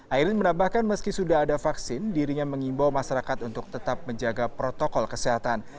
ayrin menambahkan meski sudah ada vaksin dirinya mengimbau masyarakat untuk tetap menjaga protokol kesehatan